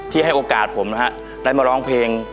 ที่ให้โอกาสผมนะครับได้มาร้องเพลง